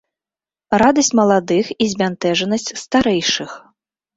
Радасць маладых і збянтэжанасць старэйшых.